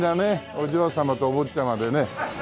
お嬢様とお坊ちゃまでね。